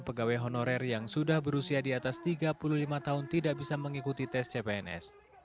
pegawai honorer yang sudah berusia di atas tiga puluh lima tahun tidak bisa mengikuti tes cpns